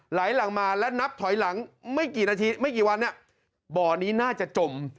ไหลหลังมาและนับถอยหลังไม่กี่นาทีไม่กี่วันบ่อนี้น่าจะจม